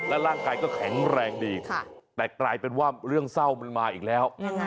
ร่างกายก็แข็งแรงดีแต่กลายเป็นว่าเรื่องเศร้ามันมาอีกแล้ว